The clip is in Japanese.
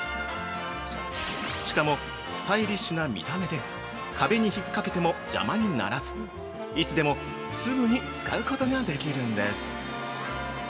しかもスタイリッシュな見た目で壁にひっかけても邪魔にならずいつでもすぐに使うことができるんです。